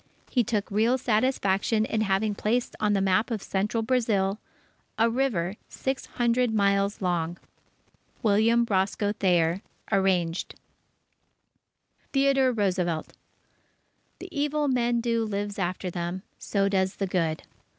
He took real satisfaction in having placed on the map of Central Brazil, a river six hundred miles long. William Roscoe Thayer (Arranged) THEODORE ROOSEVELT The evil men do lives after them; so does the good.